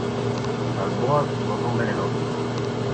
Las boas no son venenosas.